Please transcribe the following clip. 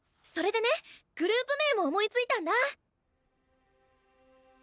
それでねグループ名も思いついたんだ！